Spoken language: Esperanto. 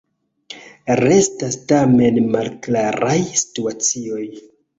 Restas tamen malklaraj situacioj.